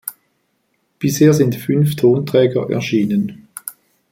Bisher sind fünf Tonträger erschienen.